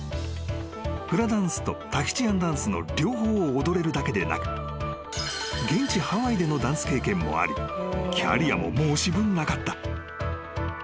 ［フラダンスとタヒチアンダンスの両方を踊れるだけでなく現地ハワイでのダンス経験もありキャリアも申し分なかった］